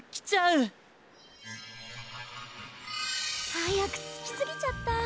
はやくつきすぎちゃった。